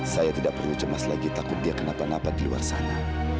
saya tidak perlu cemas lagi takut dia kenapa napak di luar sana